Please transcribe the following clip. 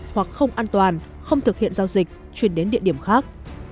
hoặc không an toàn không thực hiện giao dịch chuyển đến địa điểm khác